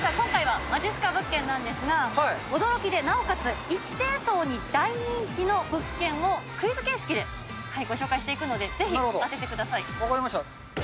今回はまじっすか物件なんですが、驚きで、なおかつ一定層に大人気の物件をクイズ形式でご紹介していくので、ぜひ、分かりました。